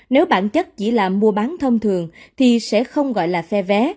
nếu bản chất chỉ là mua bán thông thường thì sẽ không gọi là phe vé